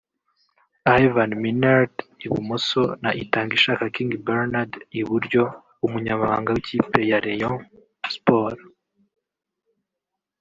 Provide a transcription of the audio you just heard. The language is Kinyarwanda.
Ivan Minaert (Ibumoso) na Itangishaka King Bernard (Iburyo) umunyamabanga w'ikipe ya Rayon Sports